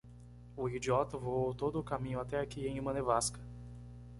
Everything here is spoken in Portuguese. O idiota voou todo o caminho até aqui em uma nevasca.